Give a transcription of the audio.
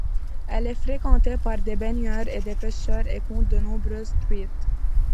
Elle est fréquentée par des baigneurs et des pêcheurs et compte de nombreuses truites.